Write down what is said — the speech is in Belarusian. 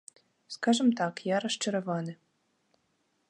Скажам так, я расчараваны.